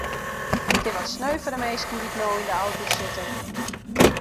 It is wat sneu foar de minsken dy't no yn de auto sitte.